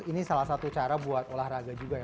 ini salah satu cara buat olahraga juga ya